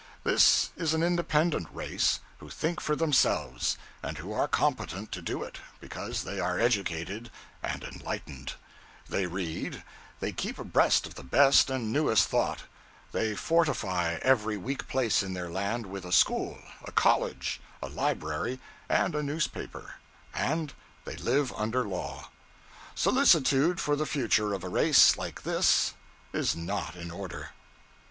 This is an independent race who think for themselves, and who are competent to do it, because they are educated and enlightened; they read, they keep abreast of the best and newest thought, they fortify every weak place in their land with a school, a college, a library, and a newspaper; and they live under law. Solicitude for the future of a race like this is not in order.